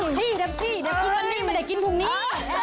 นะคะเดี๋ยวกินกว่านี้ไม่ได้กินกว่านี้